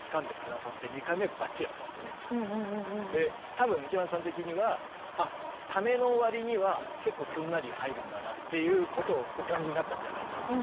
多分池松さん的にはあっためのわりには結構すんなり入るんだなっていうことをお感じになったんじゃないかなと。